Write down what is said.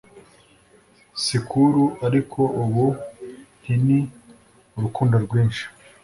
sikuru ariko ubu ntin urukundo rwinshi